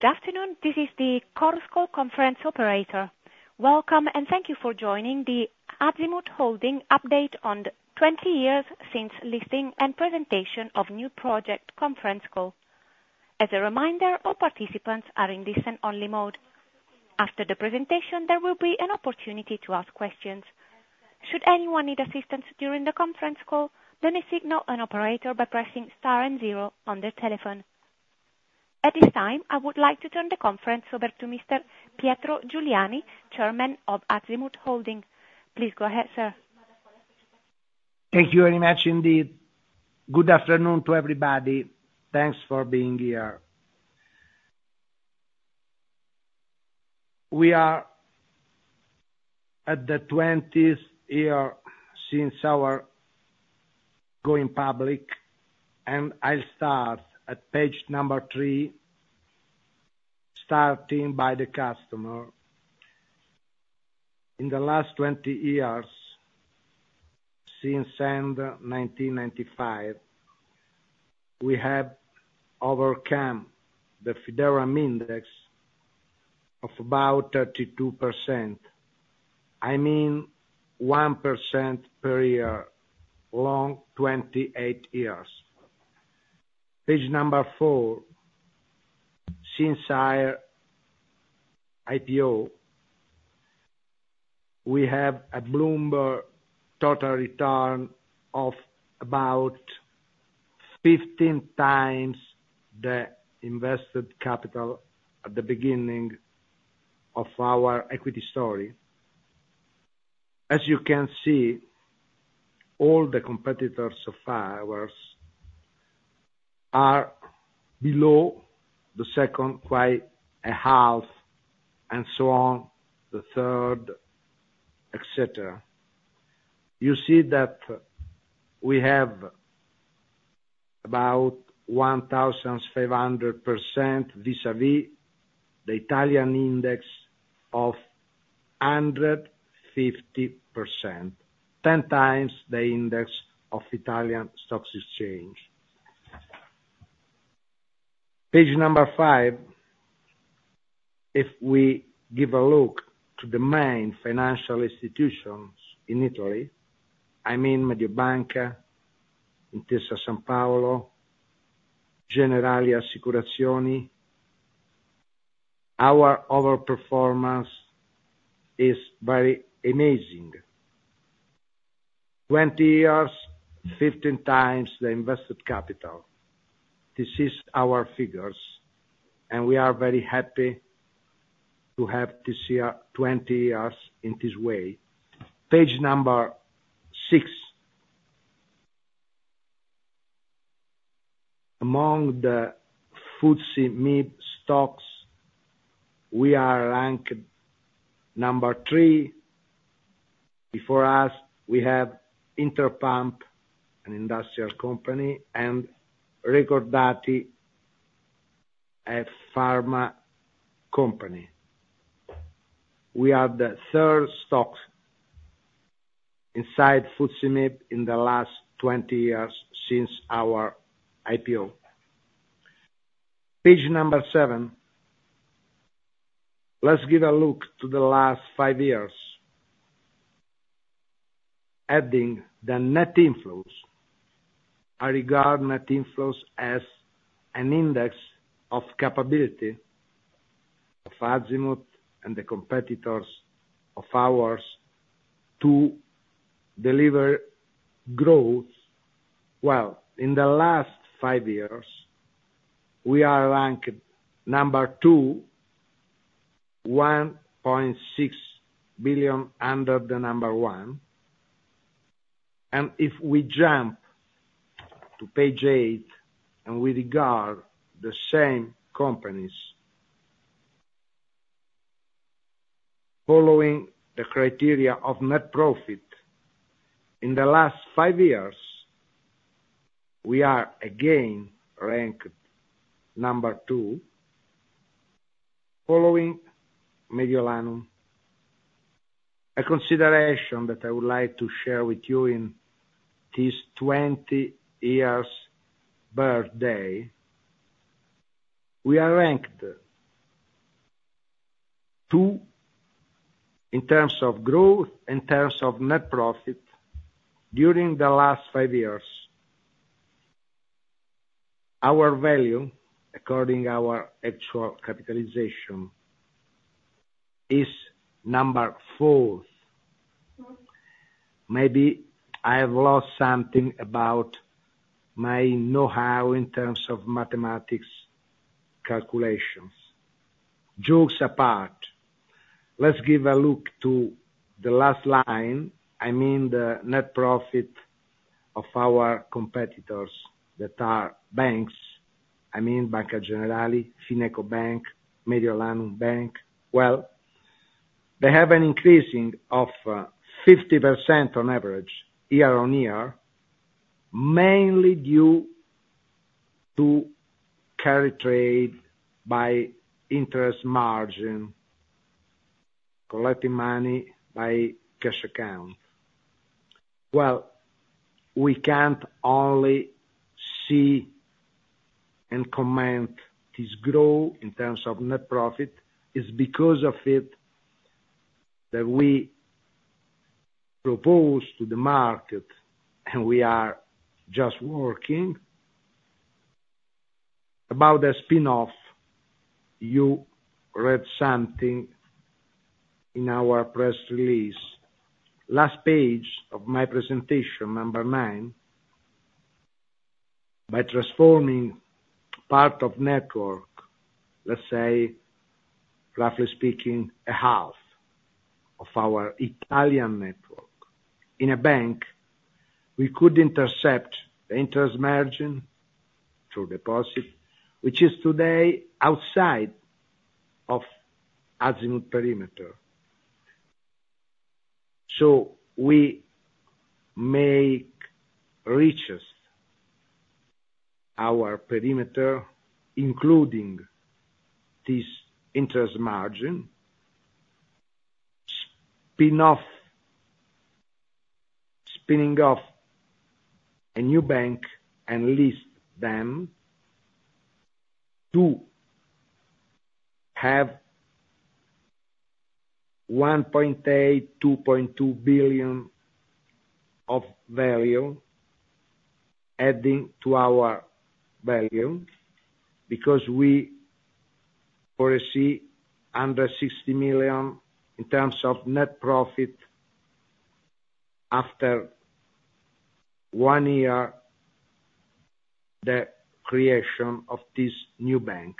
Good afternoon, this is the Chorus Call conference operator. Welcome, and thank you for joining the Azimut Holding update on 20 years since listing and presentation of new project conference call. As a reminder, all participants are in listen-only mode. After the presentation, there will be an opportunity to ask questions. Should anyone need assistance during the conference call, then they signal an operator by pressing star and zero on their telephone. At this time, I would like to turn the conference over to Mr. Pietro Giuliani, Chairman of Azimut Holding. Please go ahead, sir. Thank you very much indeed. Good afternoon to everybody. Thanks for being here. We are at the 20th year since our going public, and I'll start at page three, starting by the customer. In the last 20 years, since end 1995, we have overcome the Fideuram Index of about 32%. I mean, 1% per year, long 28 years. Page four. Since our IPO, we have a Bloomberg total return of about 15x the invested capital at the beginning of our equity story. As you can see, all the competitors of ours are below the second, by a half, and so on, the third, et cetera. You see that we have about 1,500% vis-a-vis the Italian index of 150%, 10x the index of Italian stocks exchange. Page five. If we give a look to the main financial institutions in Italy, I mean, Mediobanca, Intesa Sanpaolo, Generali Assicurazioni, our outperformance is very amazing. 20 years, 15x the invested capital. This is our figures, and we are very happy to have this year, 20 years, in this way. Page number six. Among the FTSE MIB stocks, we are ranked number three. Before us, we have Interpump, an industrial company, and Recordati, a pharma company. We are the third stock inside FTSE MIB in the last 20 years since our IPO. Page number six. Let's give a look to the last five years, adding the net inflows. I regard net inflows as an index of capability of Azimut and the competitors of ours to deliver growth. Well, in the last five years, we are ranked number two, 1.6 billion under the number one. If we jump to page eight, and we regard the same companies, following the criteria of net profit, in the last five years, we are again ranked number two, following Mediolanum. A consideration that I would like to share with you in this 20 years birthday, we are ranked two in terms of growth, in terms of net profit, during the last five years. Our value, according to our actual capitalization, is number four. Maybe I have lost something about my know-how in terms of mathematics calculations. Jokes apart, let's give a look to the last line, I mean, the net profit of our competitors that are banks. I mean, Banca Generali, FinecoBank, Mediolanum Bank. Well, they have an increase of 50% on average, year-on-year, mainly due to carry trade by interest margin, collecting money by cash account. Well, we can't only see and comment this growth in terms of net profit. It's because of it that we propose to the market, and we are just working. About the spin-off, you read something in our press release. Last page of my presentation, number nine. By transforming part of network, let's say, roughly speaking, a half of our Italian network in a bank, we could intercept the interest margin through deposit, which is today outside of Azimut perimeter. So we make richer our perimeter, including this interest margin, spin-off, spinning off a new bank, and list them to have EUR 1.8 billion-EUR 2.2 billion of value, adding to our value, because we foresee under 60 million in terms of net profit after 1 year, the creation of this new bank.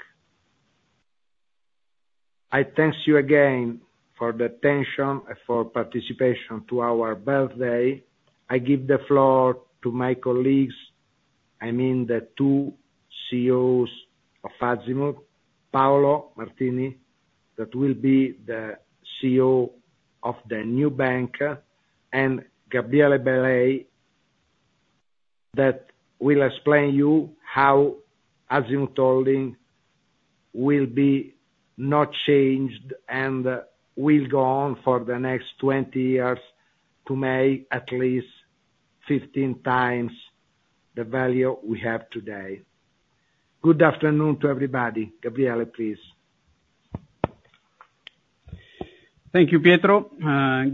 I thank you again for the attention and for participation to our birthday. I give the floor to my colleagues, I mean the two CEOs of Azimut, Paolo Martini, that will be the CEO of the new bank, and Gabriele Blei, that will explain you how Azimut Holding will be not changed, and will go on for the next 20 years to make at least 15x the value we have today. Good afternoon to everybody. Gabriele, please. Thank you, Pietro.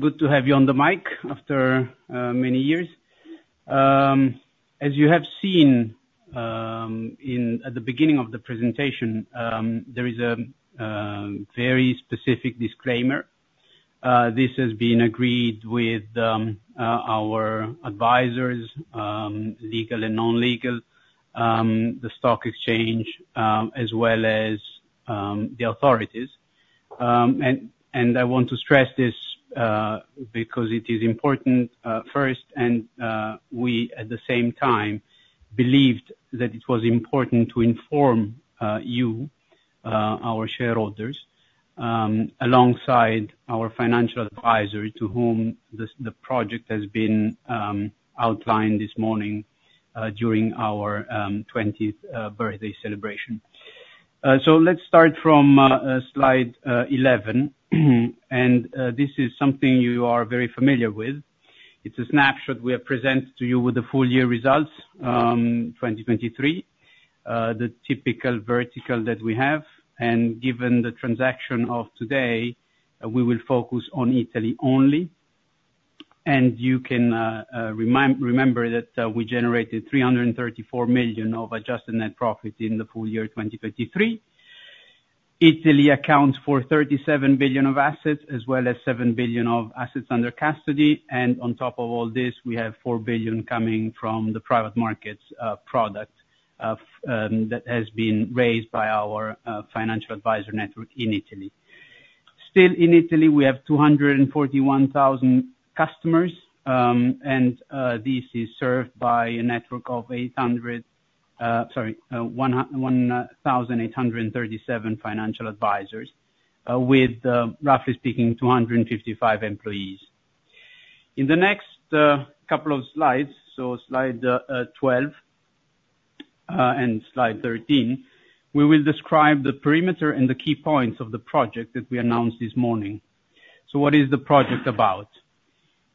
Good to have you on the mic after many years. As you have seen, at the beginning of the presentation, there is a very specific disclaimer. This has been agreed with our advisors, legal and non-legal, the stock exchange, as well as the authorities. And I want to stress this because it is important, first, and we, at the same time, believed that it was important to inform you, our shareholders, alongside our financial advisory, to whom this, the project has been outlined this morning, during our 20th birthday celebration. So let's start from slide 11. And this is something you are very familiar with. It's a snapshot we have presented to you with the full year results, 2023, the typical vertical that we have. Given the transaction of today, we will focus on Italy only. You can remember that we generated 334 million of adjusted net profit in the full year 2023. Italy accounts for 37 billion of assets, as well as 7 billion of assets under custody, and on top of all this, we have 4 billion coming from the private markets product that has been raised by our financial advisor network in Italy. Still, in Italy, we have 241,000 customers, and this is served by a network of 1,837 financial advisors, with roughly speaking, 255 employees. In the next couple of slides, so slide 12 and slide 13, we will describe the perimeter and the key points of the project that we announced this morning. So what is the project about?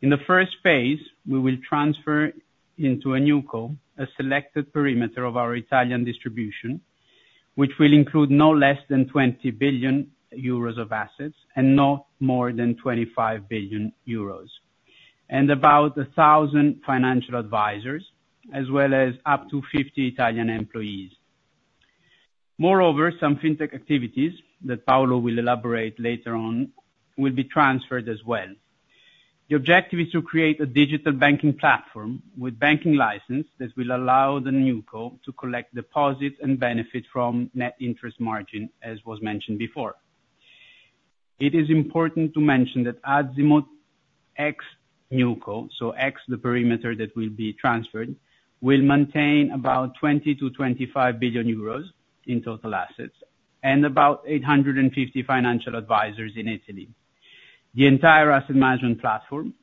In the first phase, we will transfer into a NewCo, a selected perimeter of our Italian distribution, which will include no less than 20 billion euros of assets, and no more than 25 billion euros, and about 1,000 financial advisors, as well as up to 50 Italian employees. Moreover, some fintech activities, that Paolo will elaborate later on, will be transferred as well. The objective is to create a digital banking platform with banking license that will allow the NewCo to collect deposits and benefit from net interest margin, as was mentioned before. It is important to mention that Azimut ex-NewCo, so ex, the perimeter that will be transferred, will maintain about 20 billion-25 billion euros in total assets, and about 850 financial advisors in Italy. The entire asset management platform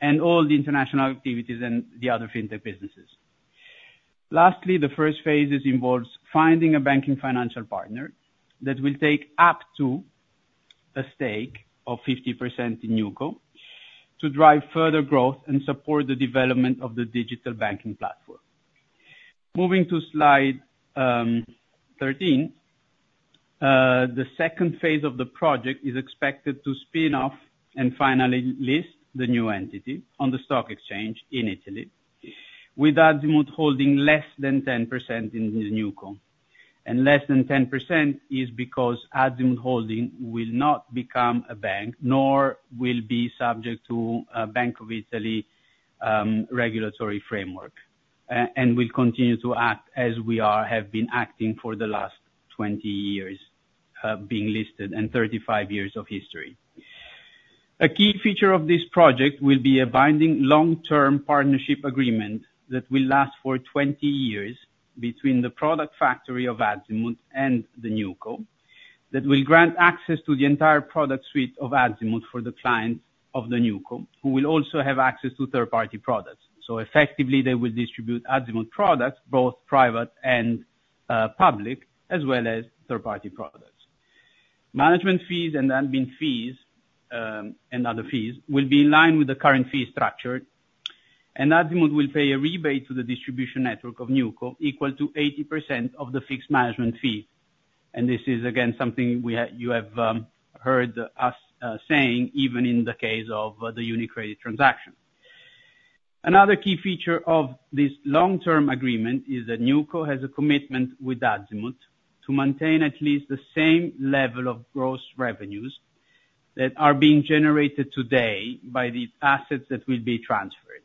and all the international activities and the other fintech businesses.... lastly, the first phase involves finding a banking financial partner that will take up to a stake of 50% in NewCo, to drive further growth and support the development of the digital banking platform. Moving to slide 13, the second phase of the project is expected to spin off and finally list the new entity on the stock exchange in Italy, with Azimut holding less than 10% in the NewCo. Less than 10% is because Azimut Holding will not become a bank, nor will be subject to a Banca d'Italia regulatory framework. And will continue to act as we are, have been acting for the last 20 years, being listed, and 35 years of history. A key feature of this project will be a binding long-term partnership agreement that will last for 20 years between the product factory of Azimut and the NewCo, that will grant access to the entire product suite of Azimut for the clients of the NewCo, who will also have access to third party products. So effectively, they will distribute Azimut products, both private and public, as well as third party products. Management fees and admin fees, and other fees, will be in line with the current fee structure. Azimut will pay a rebate to the distribution network of NewCo, equal to 80% of the fixed management fee. This is, again, something we have, you have heard us saying, even in the case of the UniCredit transaction. Another key feature of this long-term agreement is that NewCo has a commitment with Azimut to maintain at least the same level of gross revenues that are being generated today by the assets that will be transferred.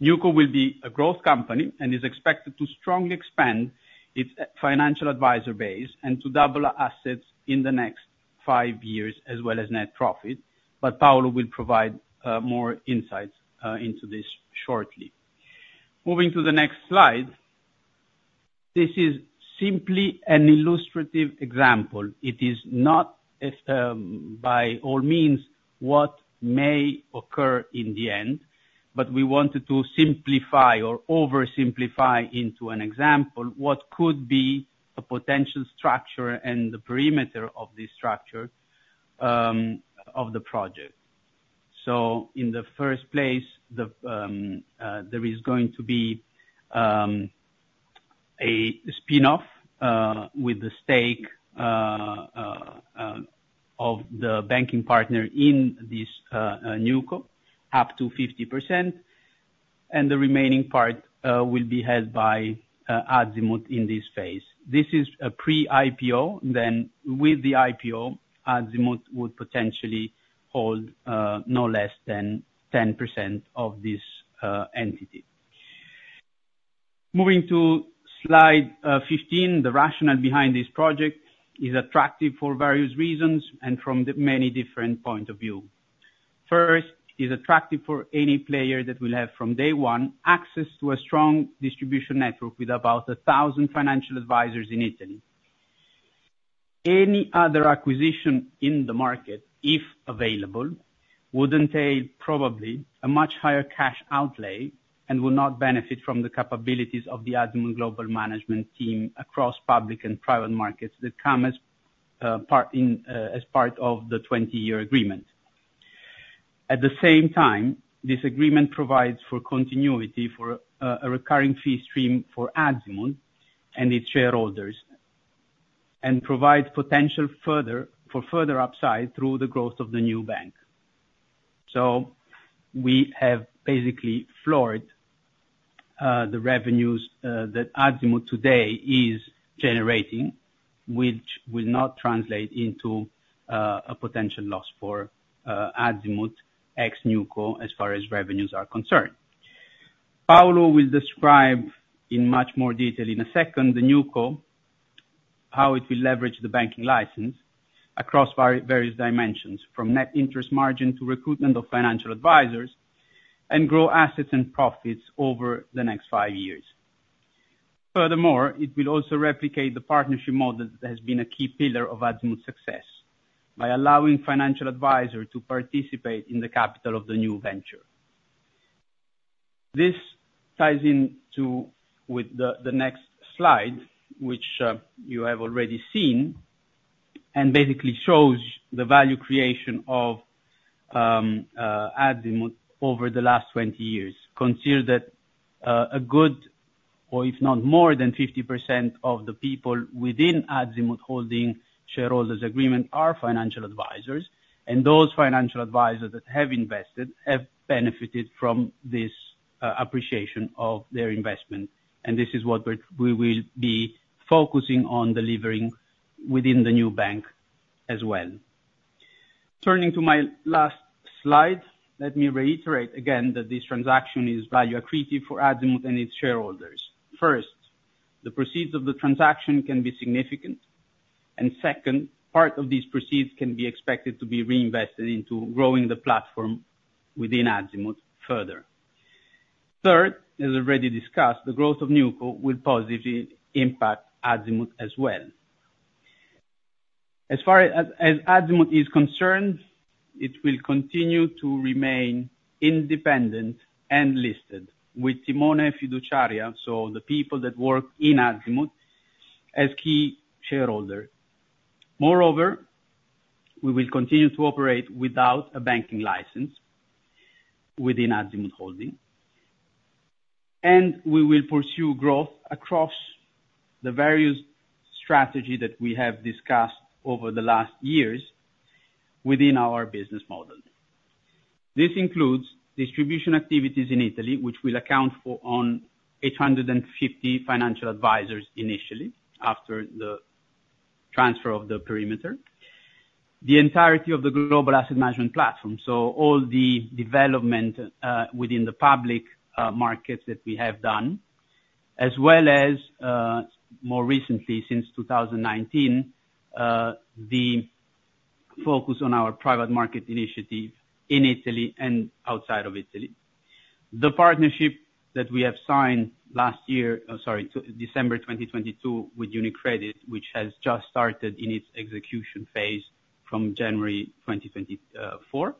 NewCo will be a growth company and is expected to strongly expand its financial advisor base and to double our assets in the next five years, as well as net profit, but Paolo will provide more insights into this shortly. Moving to the next slide. This is simply an illustrative example. It is not by all means, what may occur in the end, but we wanted to simplify or oversimplify into an example, what could be the potential structure and the perimeter of this structure of the project. So in the first place, there is going to be a spin-off with the stake of the banking partner in this NewCo, up to 50%, and the remaining part will be held by Azimut in this phase. This is a pre-IPO, then with the IPO, Azimut would potentially hold no less than 10% of this entity. Moving to slide 15. The rationale behind this project is attractive for various reasons and from the many different point of view. First, it's attractive for any player that will have, from day one, access to a strong distribution network with about a thousand financial advisors in Italy. Any other acquisition in the market, if available, would entail probably a much higher cash outlay, and will not benefit from the capabilities of the Azimut global management team across public and private markets that come as part of the 20-year agreement. At the same time, this agreement provides for continuity for a recurring fee stream for Azimut and its shareholders, and provides potential further, for further upside through the growth of the new bank. So we have basically floored the revenues that Azimut today is generating, which will not translate into a potential loss for Azimut ex-NewCo, as far as revenues are concerned. Paolo will describe in much more detail in a second, the NewCo, how it will leverage the banking license across various dimensions, from net interest margin to recruitment of financial advisors, and grow assets and profits over the next five years. Furthermore, it will also replicate the partnership model that has been a key pillar of Azimut's success, by allowing financial advisor to participate in the capital of the new venture. This ties into the next slide, which you have already seen, and basically shows the value creation of Azimut over the last 20 years. Consider that a good, or if not more than 50% of the people within Azimut Holding shareholders' agreement are financial advisors, and those financial advisors that have invested have benefited from this appreciation of their investment. This is what we will be focusing on delivering within the new bank as well. Turning to my last slide, let me reiterate again that this transaction is value accretive for Azimut and its shareholders. First, the proceeds of the transaction can be significant. Second, part of these proceeds can be expected to be reinvested into growing the platform within Azimut further. Third, as already discussed, the growth of NewCo will positively impact Azimut as well. As far as, as Azimut is concerned, it will continue to remain independent and listed with Timone Fiduciaria, so the people that work in Azimut, as key shareholder. Moreover, we will continue to operate without a banking license within Azimut Holding, and we will pursue growth across the various strategy that we have discussed over the last years within our business model. This includes distribution activities in Italy, which will account for on 850 financial advisors initially, after the transfer of the perimeter. The entirety of the global asset management platform, so all the development, within the public, markets that we have done, as well as, more recently, since 2019, the focus on our private market initiative in Italy and outside of Italy. The partnership that we have signed last year, sorry, to December 2022, with UniCredit, which has just started in its execution phase from January 2024.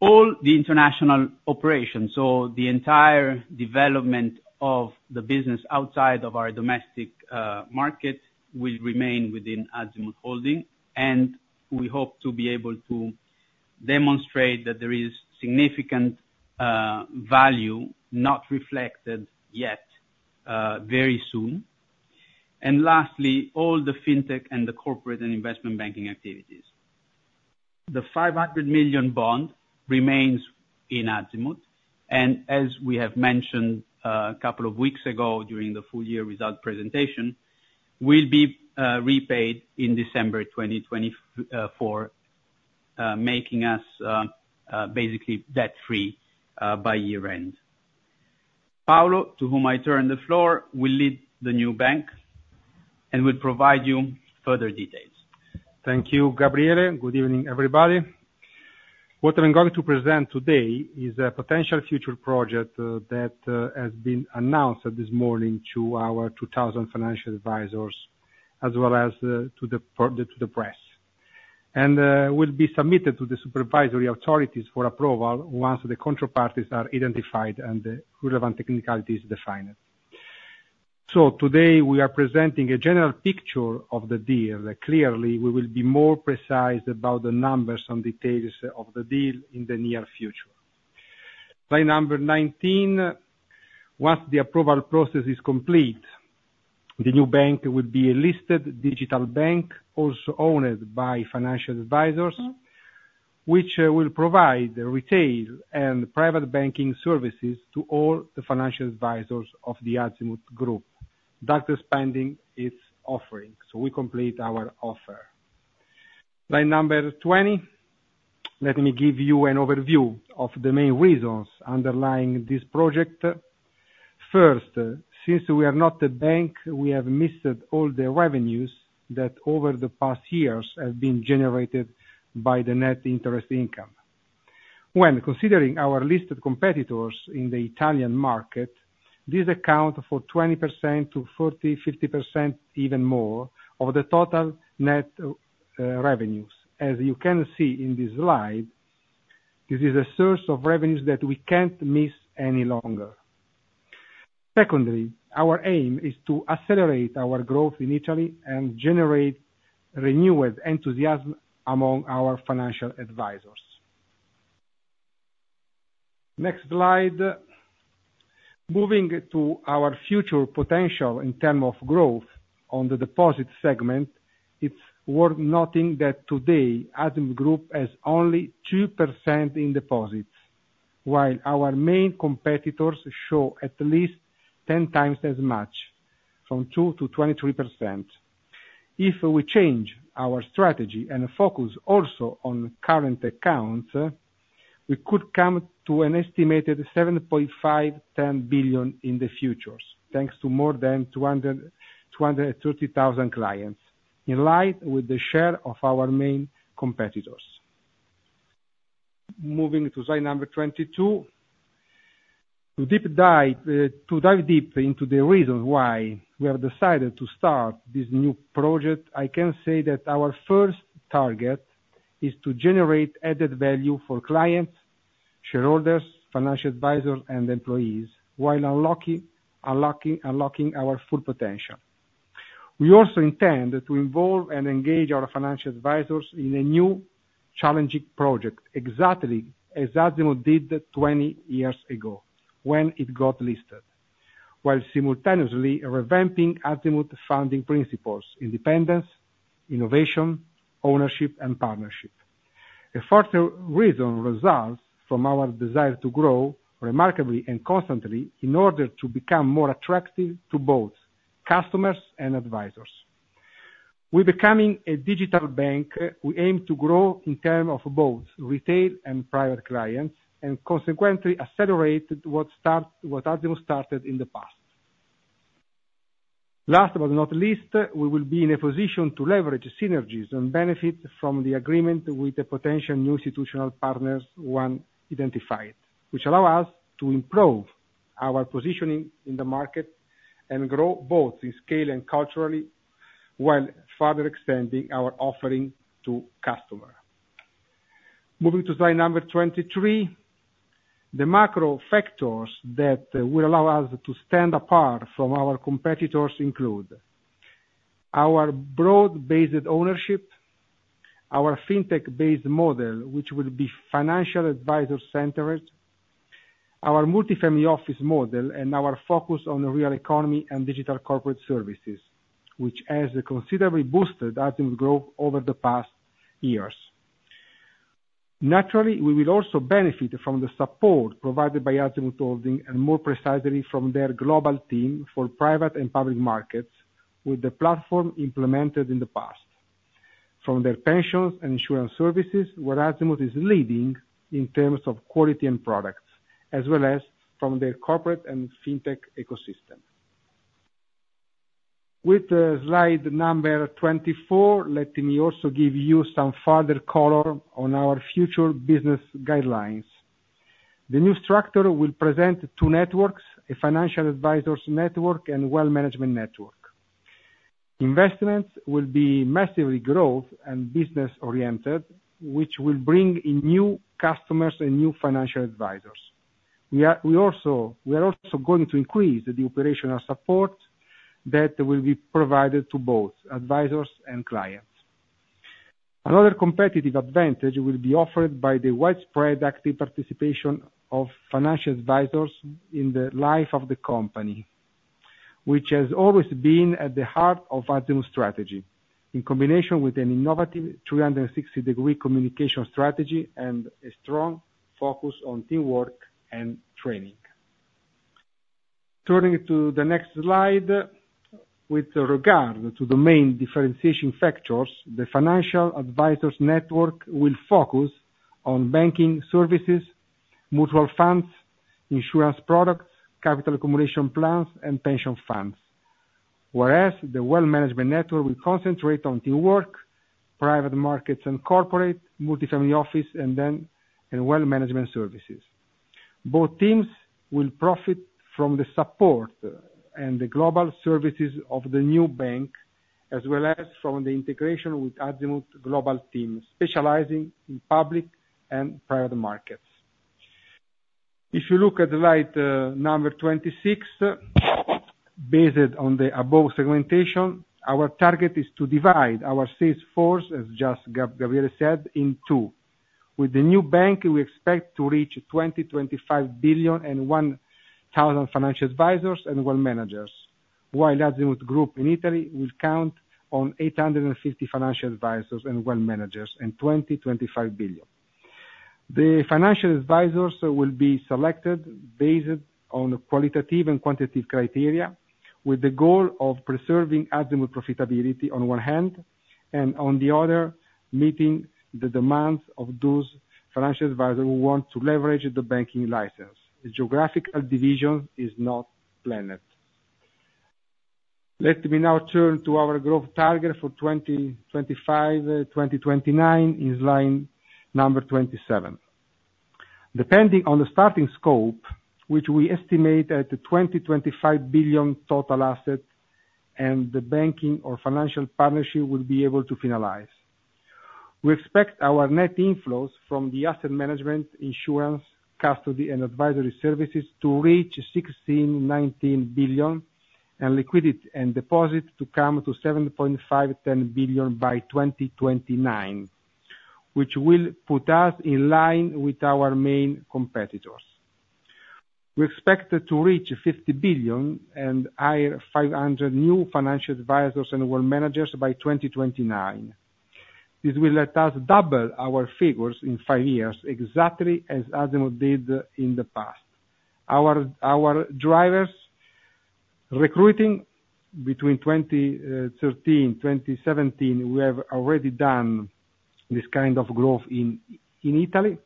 All the international operations, so the entire development of the business outside of our domestic market, will remain within Azimut Holding, and we hope to be able to demonstrate that there is significant value, not reflected yet, very soon. And lastly, all the fintech and the corporate and investment banking activities. The 500 million bond remains in Azimut, and as we have mentioned a couple of weeks ago during the full year result presentation, will be repaid in December 2024, making us basically debt-free by year-end. Paolo, to whom I turn the floor, will lead the new bank and will provide you further details. Thank you, Gabriele. Good evening, everybody. What I'm going to present today is a potential future project that has been announced this morning to our 2000 financial advisors, as well as to the press. And will be submitted to the supervisory authorities for approval once the counterparties are identified and the relevant technicalities defined. Today, we are presenting a general picture of the deal. Clearly, we will be more precise about the numbers and details of the deal in the near future. Slide number 19. Once the approval process is complete, the new bank will be a listed digital bank, also owned by financial advisors, which will provide retail and private banking services to all the financial advisors of the Azimut Group. That expanding its offering, so we complete our offer. Slide number 20. Let me give you an overview of the main reasons underlying this project. First, since we are not a bank, we have missed all the revenues that over the past years have been generated by the net interest income. When considering our listed competitors in the Italian market, this accounts for 20% to 40%, 50% even more, of the total net revenues. As you can see in this slide, this is a source of revenues that we can't miss any longer. Secondly, our aim is to accelerate our growth in Italy and generate renewed enthusiasm among our financial advisors. Next slide. Moving to our future potential in terms of growth on the deposit segment, it's worth noting that today, Azimut Group has only 2% in deposits, while our main competitors show at least 10x as much, from 2% to 23%. If we change our strategy and focus also on current accounts, we could come to an estimated 7.5 billion-10 billion in the future, thanks to more than 230,000 clients, in line with the share of our main competitors. Moving to slide number 22. To dive deep into the reasons why we have decided to start this new project, I can say that our first target is to generate added value for clients, shareholders, financial advisors, and employees, while unlocking our full potential. We also intend to involve and engage our financial advisors in a new, challenging project, exactly as Azimut did 20 years ago when it got listed, while simultaneously revamping Azimut founding principles: independence, innovation, ownership and partnership. A further reason results from our desire to grow remarkably and constantly in order to become more attractive to both customers and advisors. We're becoming a digital bank, we aim to grow in terms of both retail and private clients, and consequently accelerate what Azimut started in the past. Last but not least, we will be in a position to leverage synergies and benefit from the agreement with the potential new institutional partners, one identified, which allow us to improve our positioning in the market, and grow both in scale and culturally, while further extending our offering to customer. Moving to slide number 23, the macro factors that will allow us to stand apart from our competitors include: our broad-based ownership, our fintech-based model, which will be financial advisor centered, our multifamily office model, and our focus on the real economy and digital corporate services, which has considerably boosted Azimut growth over the past years. Naturally, we will also benefit from the support provided by Azimut Holding, and more precisely from their global team for private and public markets, with the platform implemented in the past. From their pensions and insurance services, where Azimut is leading in terms of quality and products, as well as from their corporate and fintech ecosystem. With slide number 24, let me also give you some further color on our future business guidelines. The new structure will present two networks, a financial advisors network and wealth management network. Investments will be massively growth and business oriented, which will bring in new customers and new financial advisors. We are also going to increase the operational support that will be provided to both advisors and clients. Another competitive advantage will be offered by the widespread active participation of financial advisors in the life of the company, which has always been at the heart of Azimut strategy, in combination with an innovative 360-degree communication strategy and a strong focus on teamwork and training. Turning to the next slide, with regard to the main differentiation factors, the financial advisors network will focus on banking services, mutual funds, insurance products, capital accumulation plans, and pension funds. Whereas, the wealth management network will concentrate on teamwork, private markets and corporate, multifamily office, and wealth management services. Both teams will profit from the support and the global services of the new bank, as well as from the integration with Azimut global team, specializing in public and private markets. If you look at slide number 26, based on the above segmentation, our target is to divide our sales force, as just Gabriele said, in two. With the new bank, we expect to reach 20 billion-25 billion and 1,000 financial advisors and wealth managers, while Azimut Group in Italy will count on 850 financial advisors and wealth managers in 20 billion-25 billion. The financial advisors will be selected based on qualitative and quantitative criteria, with the goal of preserving Azimut profitability, on one hand, and on the other, meeting the demands of those financial advisors who want to leverage the banking license. The geographical division is not planned. Let me now turn to our growth target for 2025-2029, is line number 27. Depending on the starting scope, which we estimate at 20 billion-25 billion total assets, and the banking or financial partnership we will be able to finalize. We expect our net inflows from the asset management, insurance, custody, and advisory services to reach 16 billion-19 billion, and liquidity and deposits to come to 7.5 billion-10 billion by 2029, which will put us in line with our main competitors. We expect to reach 50 billion and hire 500 new financial advisors and wealth managers by 2029. This will let us double our figures in five years, exactly as Azimut did in the past. Our drivers recruiting between 2013-2017, we have already done this kind of growth in Italy.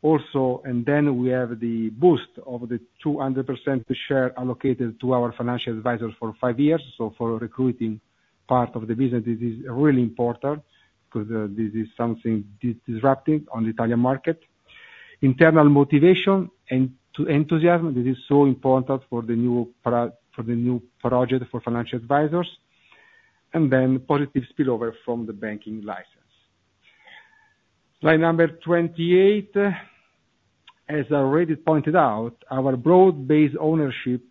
Also, then we have the boost of the 200% share allocated to our financial advisor for five years. So for recruiting part of the business, this is really important because this is something disrupting on the Italian market. Internal motivation and the enthusiasm, this is so important for the new project for financial advisors, and then positive spillover from the banking license. Slide number 28, as I already pointed out, our broad-based ownership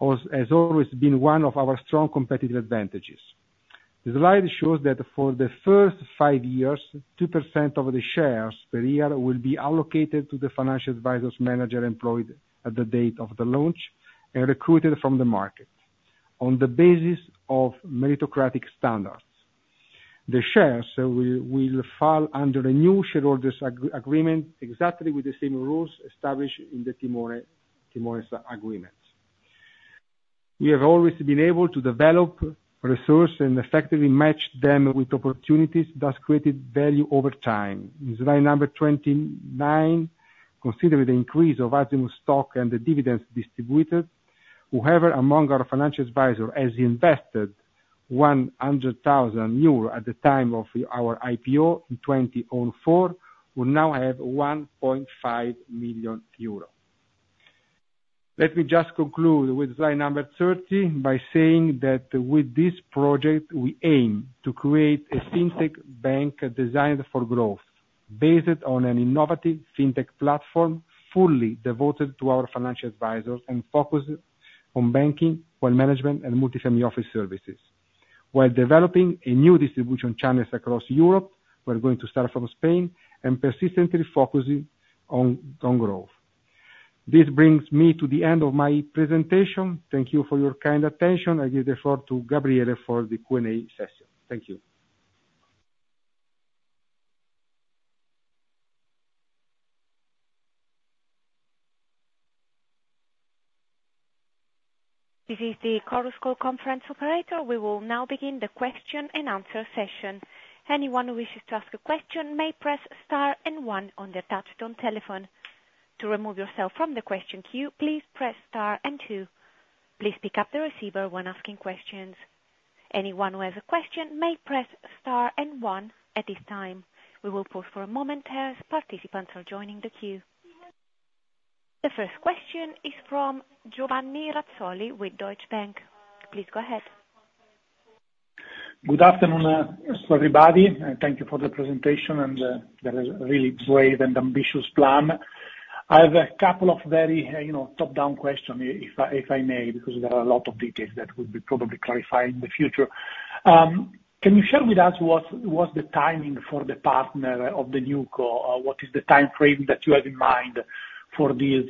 has always been one of our strong competitive advantages. The slide shows that for the first five years, 2% of the shares per year will be allocated to the financial advisors, manager employed at the date of the launch, and recruited from the market on the basis of meritocratic standards. The shares will fall under a new shareholders agreement, exactly with the same rules established in the Timone agreement. We have always been able to develop, resource, and effectively match them with opportunities, thus creating value over time. Slide number 29, consider the increase of Azimut stock and the dividends distributed. Whoever among our financial advisors has invested 100,000 euro at the time of our IPO in 2004, will now have 1.5 million euro. Let me just conclude with slide number 30, by saying that with this project, we aim to create a fintech bank designed for growth, based on an innovative fintech platform, fully devoted to our financial advisors and focused on banking, wealth management, and multi-family office services. While developing new distribution channels across Europe, we're going to start from Spain and persistently focusing on growth. This brings me to the end of my presentation. Thank you for your kind attention. I give the floor to Gabriele for the Q&A session. Thank you. This is the Chorus Call conference operator. We will now begin the question and answer session. Anyone who wishes to ask a question may press star and one on their touch tone telephone. To remove yourself from the question queue, please press star and two. Please pick up the receiver when asking questions. Anyone who has a question may press star and one at this time. We will pause for a moment as participants are joining the queue. The first question is from Giovanni Razzoli with Deutsche Bank. Please go ahead. Good afternoon, everybody, and thank you for the presentation, and, that is a really brave and ambitious plan. I have a couple of very, you know, top-down question, if I, if I may, because there are a lot of details that will be probably clarified in the future. Can you share with us what, what's the timing for the partner of the NewCo, what is the time frame that you have in mind for this,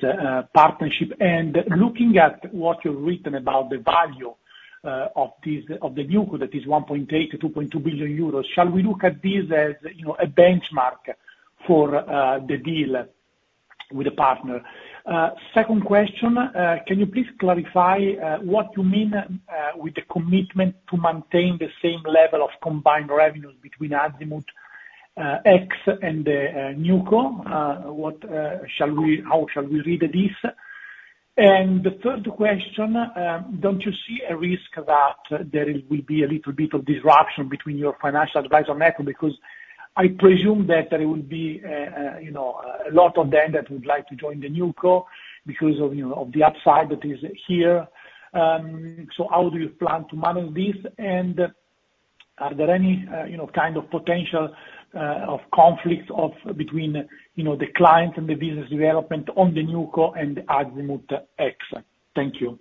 partnership? And looking at what you've written about the value, of this, of the NewCo, that is 1.8 billion-2.2 billion euros, shall we look at this as, you know, a benchmark for, the deal with the partner? Second question, can you please clarify what you mean with the commitment to maintain the same level of combined revenues between Azimut ex and NewCo? What shall we - how shall we read this? And the third question, don't you see a risk that there will be a little bit of disruption between your financial advisor network? Because I presume that there will be, you know, a lot of them that would like to join the NewCo because of, you know, of the upside that is here. So how do you plan to manage this? And are there any, you know, kind of potential of conflicts of between, you know, the clients and the business development on the NewCo and Azimut ex? Thank you.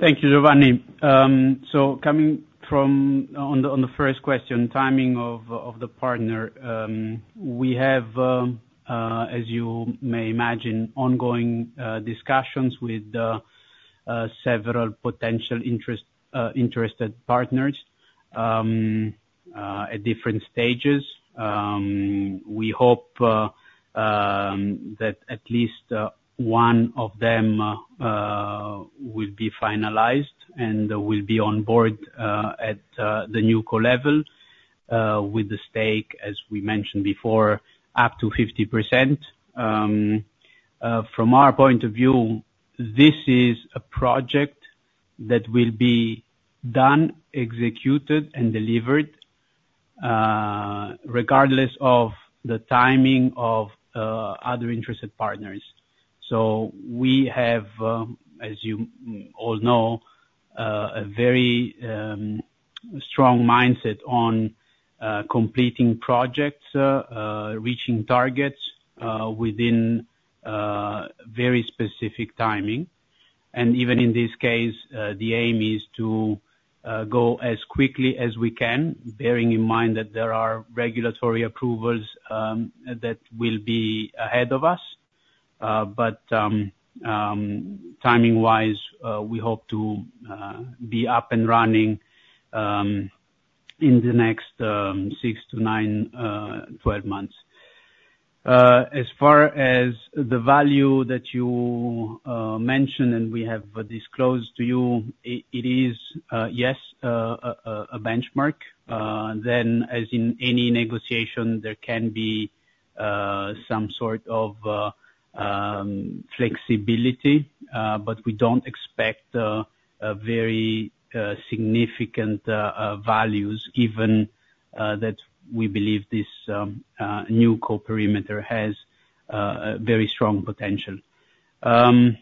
Thank you, Giovanni. So coming from on the first question, timing of the partner, we have, as you may imagine, ongoing discussions with several potential interested partners at different stages. We hope that at least one of them will be finalized and will be on board at the NewCo level with the stake, as we mentioned before, up to 50%. From our point of view, this is a project that will be done, executed, and delivered, regardless of the timing of other interested partners. So we have, as you all know, a very strong mindset on completing projects, reaching targets, within very specific timing. Even in this case, the aim is to go as quickly as we can, bearing in mind that there are regulatory approvals that will be ahead of us. Timing-wise, we hope to be up and running in the next six to nine, 12 months. As far as the value that you mentioned, and we have disclosed to you, it is, yes, a benchmark. As in any negotiation, there can be some sort of flexibility, but we don't expect a very significant values, even that we believe this NewCo perimeter has a very strong potential. As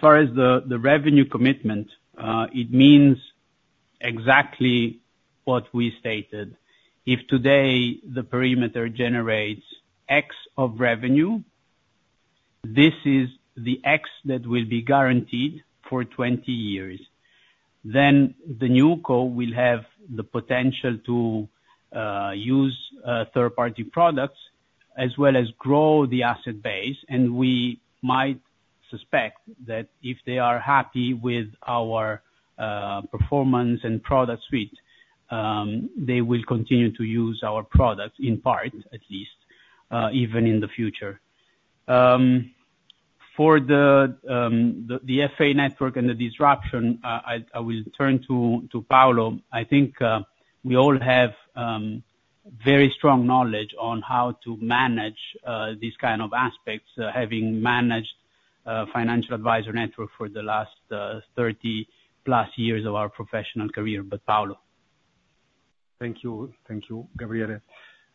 far as the revenue commitment, it means exactly what we stated. If today, the perimeter generates X of revenue, this is the X that will be guaranteed for 20 years. Then the NewCo will have the potential to use third-party products, as well as grow the asset base, and we might suspect that if they are happy with our performance and product suite, they will continue to use our products, in part, at least, even in the future. For the FA network and the disruption, I will turn to Paolo. I think we all have very strong knowledge on how to manage these kind of aspects, having managed financial advisor network for the last 30 plus years of our professional career, but Paolo? Thank you, thank you, Gabriele.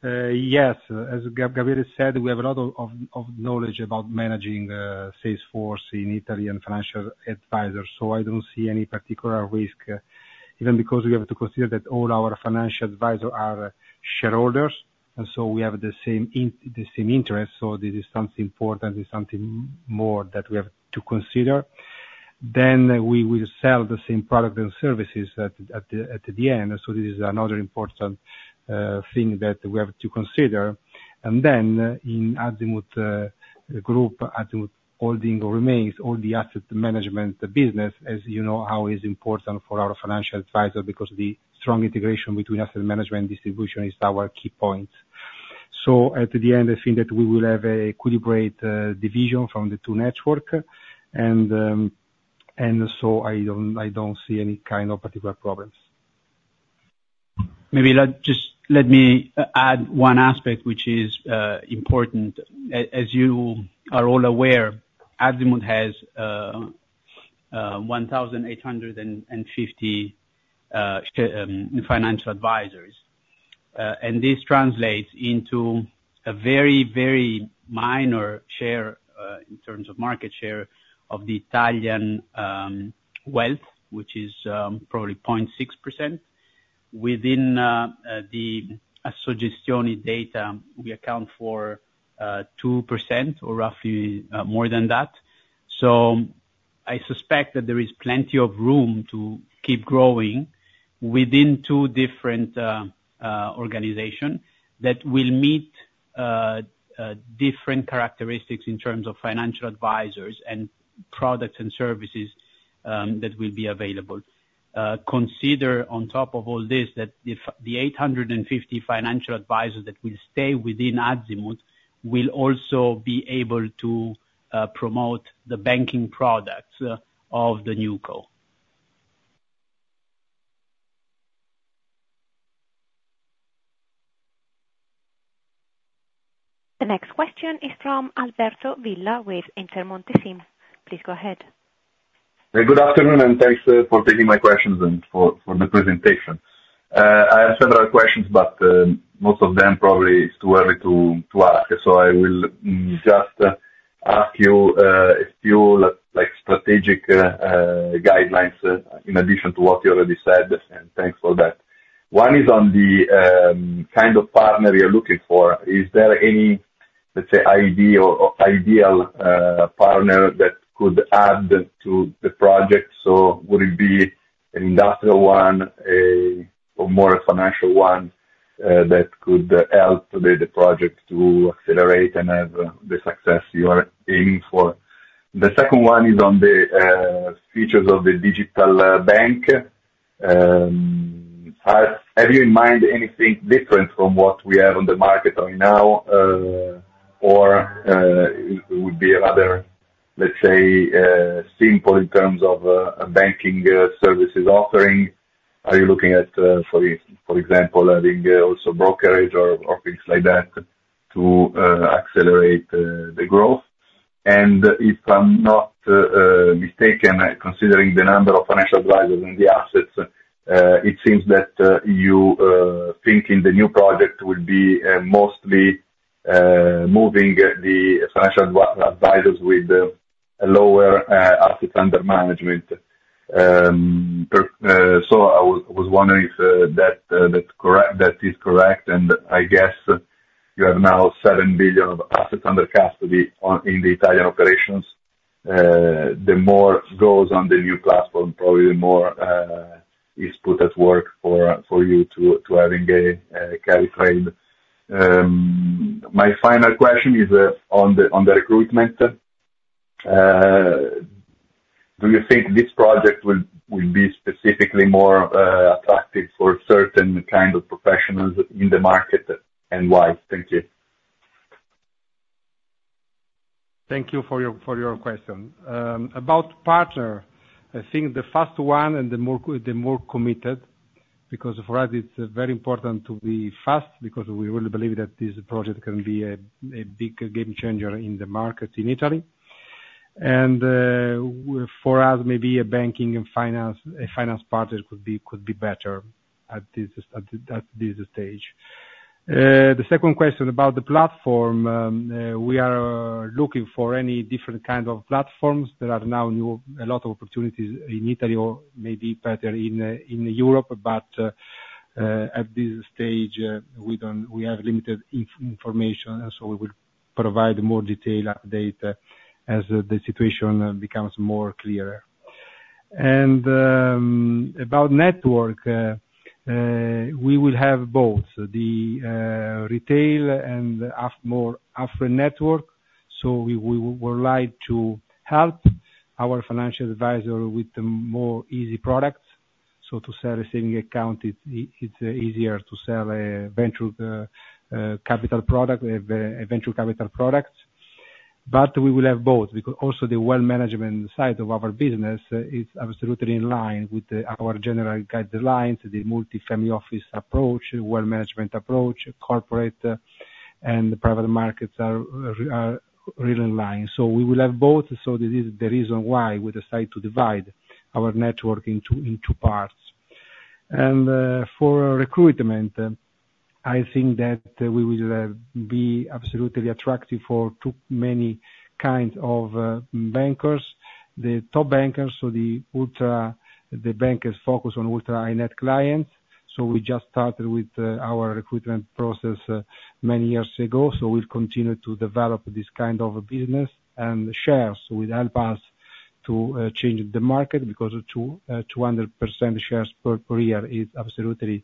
Yes, as Gabriele said, we have a lot of knowledge about managing sales force in Italian financial advisors, so I don't see any particular risk, even because we have to consider that all our financial advisor are shareholders, and so we have the same the same interest, so this is something important and something more that we have to consider. Then we will sell the same product and services at the end, so this is another important thing that we have to consider. And then, in Azimut Group, Azimut Holding remains all the asset management, the business, as you know, how it's important for our financial advisor because the strong integration between asset management distribution is our key point. So at the end, I think that we will have an equitable division from the two networks, and so I don't see any kind of particular problems. Maybe just let me add one aspect, which is important. As you are all aware, Azimut has 1,850 financial advisors. And this translates into a very, very minor share in terms of market share of the Italian wealth, which is probably 0.6%. Within the available data, we account for 2% or roughly more than that. So I suspect that there is plenty of room to keep growing within two different organization that will meet different characteristics in terms of financial advisors, and products and services that will be available. Consider on top of all this, that the 850 financial advisors that will stay within Azimut will also be able to promote the banking products of the NewCo. The next question is from Alberto Villa with Intermonte SIM. Please go ahead. Good afternoon, and thanks for taking my questions and for the presentation. I have several questions, but most of them probably it's too early to ask, so I will just ask you a few, like, strategic guidelines in addition to what you already said, and thanks for that. One is on the kind of partner you're looking for. Is there any, let's say, idea or ideal partner that could add to the project? So would it be an industrial one, or more a financial one that could help today the project to accelerate and have the success you are aiming for? The second one is on the features of the digital bank. Have you in mind anything different from what we have on the market right now, or it would be rather, let's say, simple in terms of a banking services offering? Are you looking at for example, adding also brokerage or things like that to accelerate the growth? And if I'm not mistaken, considering the number of financial advisors and the assets, it seems that you think in the new project will be mostly moving the financial advisors with the lower assets under management. Per so I was wondering if that that correct, that is correct, and I guess you have now 7 billion of assets under custody in the Italian operations. The more goes on the new platform, probably the more is put at work for, for you to, to having a carry trade. My final question is on the recruitment. Do you think this project will be specifically more attractive for certain kind of professionals in the market, and why? Thank you. Thank you for your question. About partner, I think the first one and the more committed, because for us, it's very important to be fast, because we really believe that this project can be a big game changer in the market in Italy. And for us, maybe a banking and finance partner could be better at this stage. The second question about the platform, we are looking for any different kind of platforms. There are now a lot of new opportunities in Italy or maybe better in Europe, but at this stage, we have limited information, so we will provide more detailed update as the situation becomes more clearer. About network, we will have both the retail and affluent network, so we would like to help our financial advisor with the more easy products, so to sell a savings account, it's easier to sell a venture capital product, a venture capital product. But we will have both, because also the wealth management side of our business is absolutely in line with our general guidelines, the multi-family office approach, wealth management approach, corporate and private markets are really in line. So we will have both, so this is the reason why we decide to divide our network in two parts. For recruitment, I think that we will be absolutely attractive to many kinds of bankers. The top bankers, so the ultra, the bankers focused on ultra high net clients, so we just started with our recruitment process many years ago, so we'll continue to develop this kind of a business. And shares will help us to change the market, because 200% shares per year is absolutely an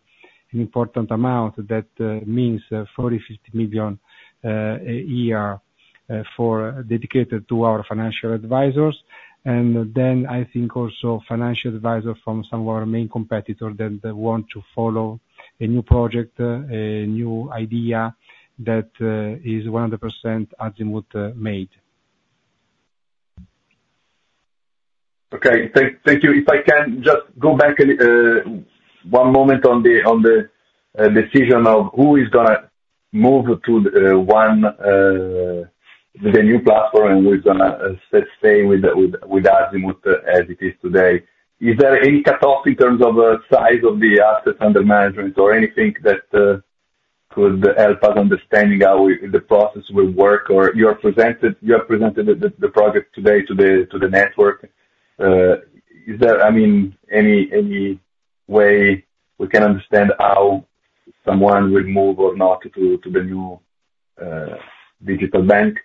important amount that means 40 million-50 million a year dedicated to our financial advisors. And then I think also financial advisor from some of our main competitor, that they want to follow a new project, a new idea that is 100% Azimut made. Okay, thank you. If I can just go back and one moment on the decision of who is gonna move to one the new platform, and who is gonna stay with Azimut as it is today. Is there any cutoff in terms of size of the assets under management, or anything that could help us understanding how the process will work? Or you have presented the project today to the network, is there, I mean, any way we can understand how someone will move or not to the new digital bank?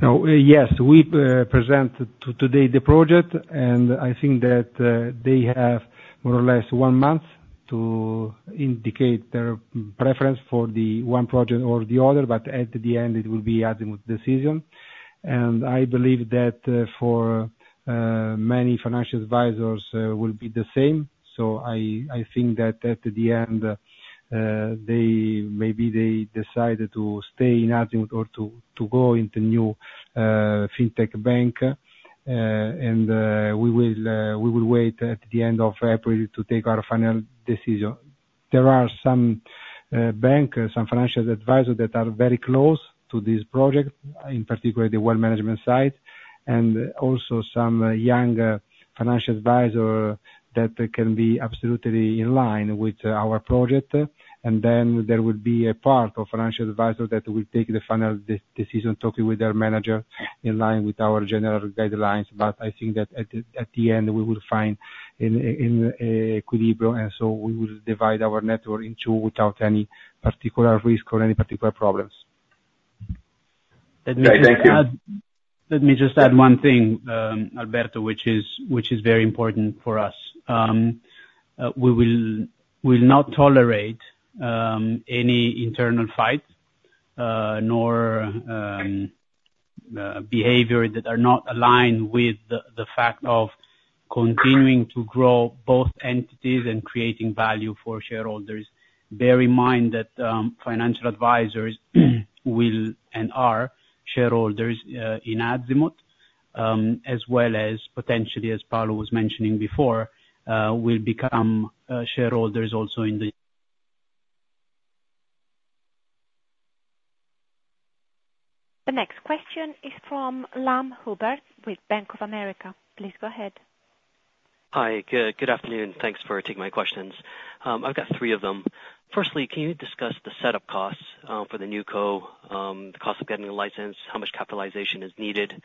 No, yes, we presented today the project, and I think that they have more or less one month to indicate their preference for the one project or the other, but at the end, it will be Azimut decision. And I believe that for many financial advisors will be the same. So I think that at the end, they maybe they decided to stay in Azimut or to go into new fintech bank. And we will wait at the end of April to take our final decision. There are some bankers, some financial advisors, that are very close to this project, in particular, the wealth management side, and also some young financial advisor that can be absolutely in line with our project. And then there will be a part of financial advisor that will take the final decision, talking with their manager, in line with our general guidelines. But I think that at the end, we will find in equilibrium, and so we will divide our network in two without any particular risk or any particular problems. Okay, thank you. Let me just add one thing, Alberto, which is very important for us. We will not tolerate any internal fights, nor behavior that are not aligned with the fact of continuing to grow both entities and creating value for shareholders. Bear in mind that financial advisors will and are shareholders in Azimut, as well as potentially, as Paolo was mentioning before, will become shareholders also in the- The next question is from Lam Hubert with Bank of America. Please go ahead. Hi, good afternoon. Thanks for taking my questions. I've got three of them. Firstly, can you discuss the setup costs for the NewCo, the cost of getting a license, how much capitalization is needed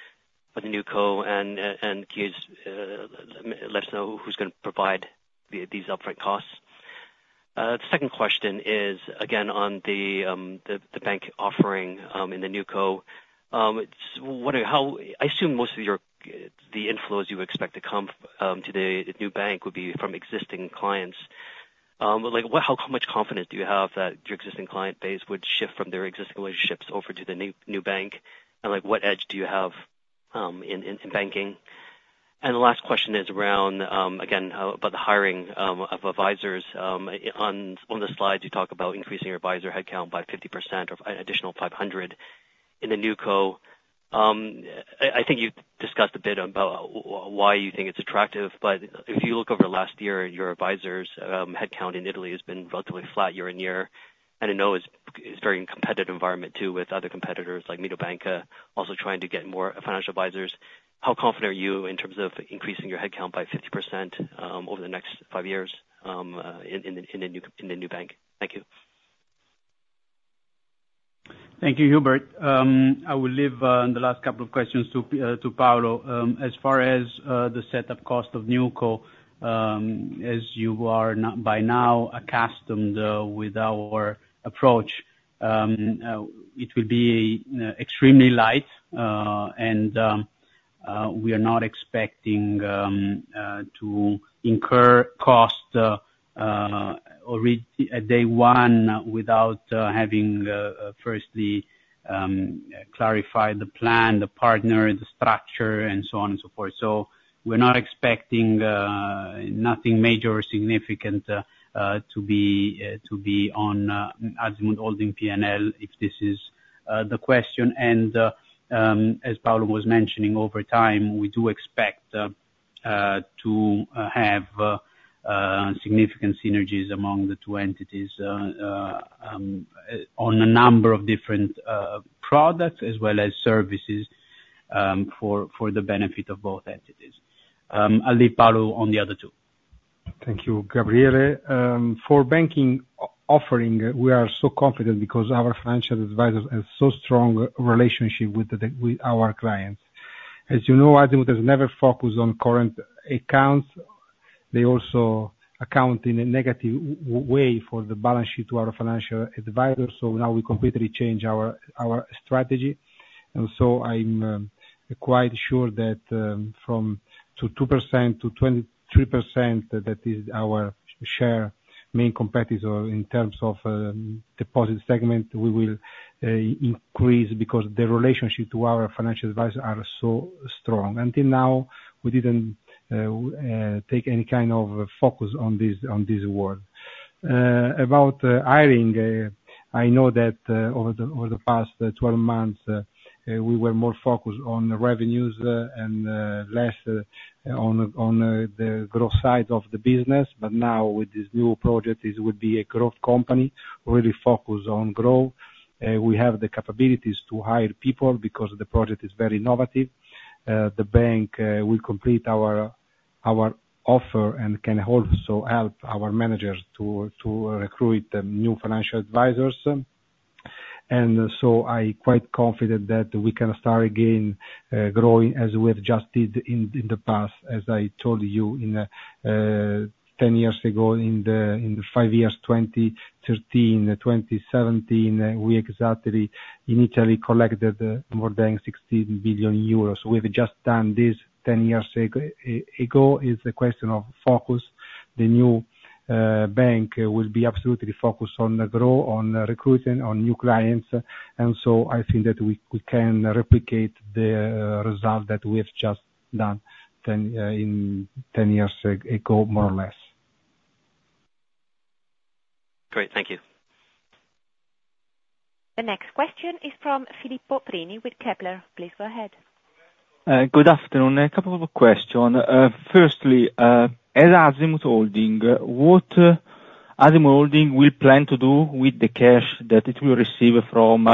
for the NewCo, and can you let us know who's gonna provide these upfront costs? The second question is, again, on the bank offering in the NewCo. I wonder how... I assume most of your inflows you expect to come to the new bank will be from existing clients. But like, what, how much confidence do you have that your existing client base would shift from their existing relationships over to the new bank? And like, what edge do you have in banking? The last question is around again about the hiring of advisors. On the slides, you talk about increasing your advisor headcount by 50% or an additional 500 in the NewCo. I think you've discussed a bit about why you think it's attractive, but if you look over the last year, your advisors headcount in Italy has been relatively flat year-on-year. I know it's a very competitive environment, too, with other competitors like Mediobanca also trying to get more financial advisors. How confident are you in terms of increasing your headcount by 50% over the next 5 years in the new bank? Thank you. Thank you, Hubert. I will leave the last couple of questions to Paolo. As far as the setup cost of NewCo, as you are not, by now, accustomed with our approach, it will be extremely light, and we are not expecting to incur costs at day one without having firstly clarify the plan, the partner, the structure, and so on and so forth. So we're not expecting nothing major or significant to be on Azimut Holding P&L, if this is the question. As Paolo was mentioning, over time, we do expect to have significant synergies among the two entities, on a number of different products as well as services, for the benefit of both entities. I'll leave Paolo on the other two. Thank you, Gabriele. For banking offering, we are so confident because our financial advisors have so strong relationship with our clients. As you know, Azimut has never focused on current accounts. They also account in a negative way for the balance sheet to our financial advisors, so now we completely change our strategy. And so I'm quite sure that from 2%-3%, that is our share main competitor in terms of deposit segment, we will increase because the relationship to our financial advisors are so strong. Until now, we didn't take any kind of focus on this world. About hiring, I know that over the past 12 months, we were more focused on the revenues and less on the growth side of the business, but now with this new project, this would be a growth company, really focused on growth. We have the capabilities to hire people because the project is very innovative. The bank will complete our offer and can also help our managers to recruit new financial advisors. And so I quite confident that we can start again growing as we have just did in the past. As I told you, in ten years ago, in the five years, 2013, 2017, we exactly initially collected more than 60 billion euros. We've just done this 10 years ago. It's a question of focus. The new bank will be absolutely focused on the growth, on recruiting, on new clients, and so I think that we can replicate the result that we have just done in 10 years ago, more or less. Great, thank you. The next question is from Filippo Prini with Kepler. Please go ahead. Good afternoon. A couple of question. Firstly, as Azimut Holding, what Azimut Holding will plan to do with the cash that it will receive from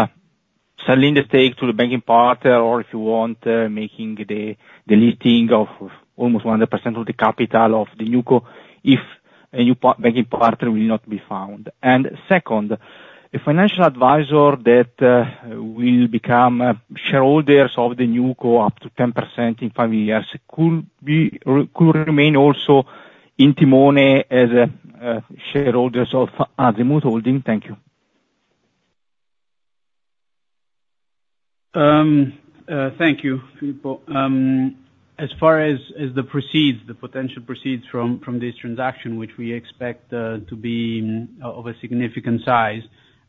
selling the stake to the banking partner, or, if you want, making the listing of almost 100% of the capital of the NewCo, if a new banking partner will not be found? And second, a financial advisor that will become shareholders of the NewCo up to 10% in five years, could remain also in Timone as a shareholders of Azimut Holding? Thank you. Thank you, Filippo. As far as the proceeds, the potential proceeds from this transaction, which we expect to be of a significant size,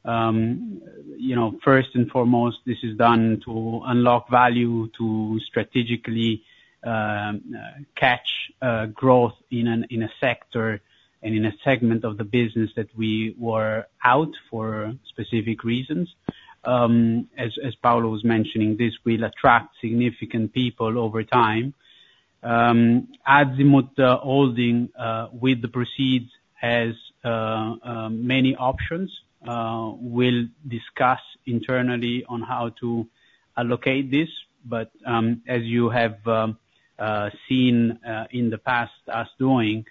you know, first and foremost, this is done to unlock value, to strategically catch growth in a sector and in a segment of the business that we were out for specific reasons. As Paolo was mentioning, this will attract significant people over time. Azimut Holding with the proceeds has many options. We'll discuss internally on how to allocate this, but as you have seen in the past us doing,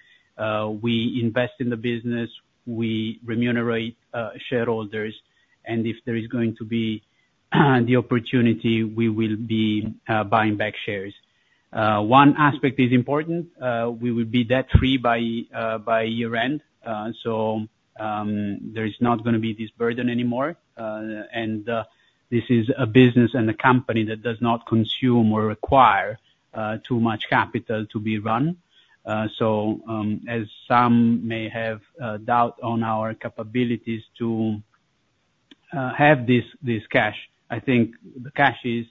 we invest in the business, we remunerate shareholders, and if there is going to be the opportunity, we will be buying back shares. One aspect is important, we will be debt-free by year-end, so there is not gonna be this burden anymore, and this is a business and a company that does not consume or require too much capital to be run. So, as some may have doubt on our capabilities to have this cash, I think the cash is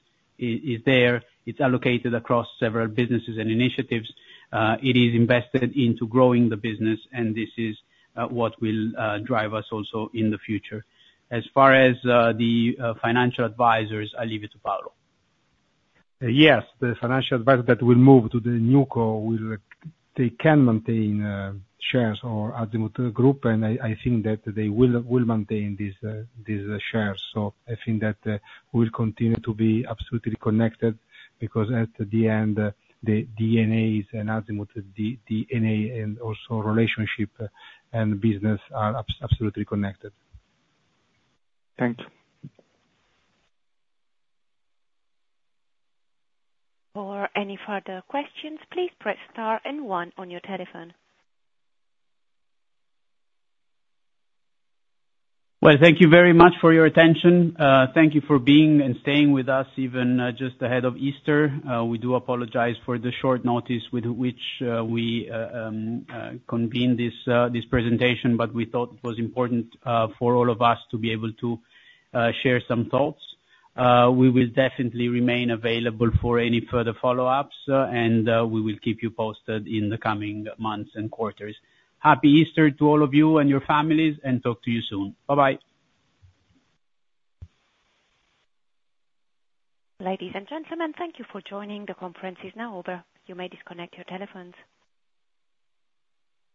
there, it's allocated across several businesses and initiatives, it is invested into growing the business, and this is what will drive us also in the future. As far as the financial advisors, I leave it to Paolo. Yes, the financial advisor that will move to the NewCo will, they can maintain shares of Azimut Group, and I think that they will maintain these shares. So I think that we'll continue to be absolutely connected, because at the end, the DNA is in Azimut, the DNA and also relationship and business are absolutely connected. Thank you. For any further questions, please press star and one on your telephone. Well, thank you very much for your attention. Thank you for being and staying with us, even just ahead of Easter. We do apologize for the short notice with which we convened this presentation, but we thought it was important for all of us to be able to share some thoughts. We will definitely remain available for any further follow-ups, and we will keep you posted in the coming months and quarters. Happy Easter to all of you and your families and talk to you soon. Bye-bye. Ladies and gentlemen, thank you for joining. The conference is now over. You may disconnect your telephones.